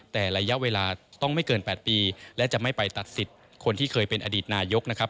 แต่ระยะเวลาต้องไม่เกิน๘ปีและจะไม่ไปตัดสิทธิ์คนที่เคยเป็นอดีตนายกนะครับ